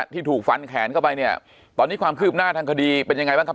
ที่ถูกฟันแขนเข้าไปเนี่ยตอนนี้ความคืบหน้าทางคดีเป็นยังไงบ้างครับ